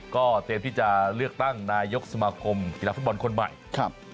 ก็เตรียมที่จะเลือกตั้งนายกสมาคมกีฬาฟุตบอลคนใหม่ครับ